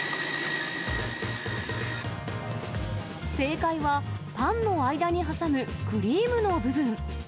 正解は、パンの間に挟むクリームの部分。